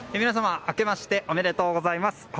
皆様あけましておめでとうございます。